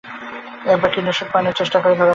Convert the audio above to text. একবার কীটনাশক পানের চেষ্টা করে ধরা পড়েছিলেন তিনি।